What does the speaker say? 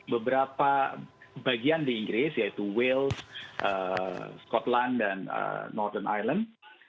beberapa bagian di inggris yaitu wales scotland dan norden island